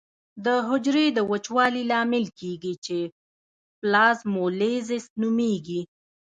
د حجرې د وچوالي لامل کیږي چې پلازمولیزس نومېږي.